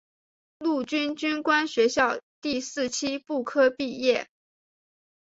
陆军军官学校第四期步科毕业。